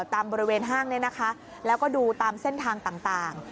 ตามบริเวณห้างเนี่ยนะคะแล้วก็ดูตามเส้นทางต่าง